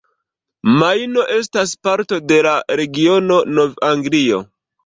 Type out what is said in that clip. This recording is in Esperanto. Majno estas parto de la regiono Nov-Anglio.